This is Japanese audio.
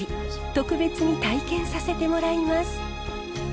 特別に体験させてもらいます。